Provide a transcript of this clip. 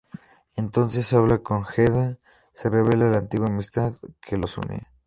Entonces habla con Hedda; se revela la antigua amistad que los unía.